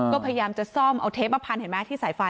ก็พยายามจะซ่อมเอาเทปมาพันเห็นไหมที่สายไฟ